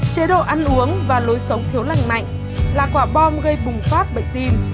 chế độ ăn uống và lối sống thiếu lành mạnh là quả bom gây bùng phát bệnh tim